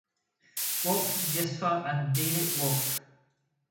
Wolpe, Joseph and David Wolpe.